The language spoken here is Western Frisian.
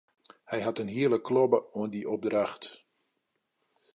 Hy hat in hiele klobbe oan dy opdracht.